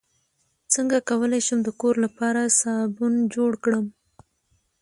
څنګه کولی شم د کور لپاره صابن جوړ کړم